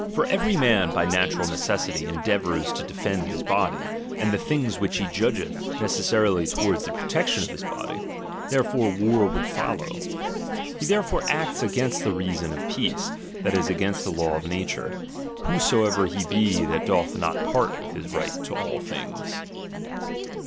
For every man by natural necessity endeavours to defend bis body, and the things which he judgeth necessary towards theprotection of hisbody. There fore war would follow. He therefore acts against the reason of peace, that is, against the law of nature, whosoever he be, that doth not part with Ms right to all things.